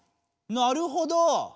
なるほど。